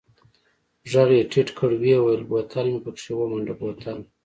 ږغ يې ټيټ کړ ويې ويل بوتل مې پکښې ومنډه بوتل.